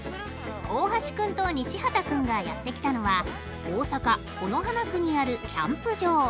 大橋君と西畑君がやって来たのは大阪・此花区にあるキャンプ場。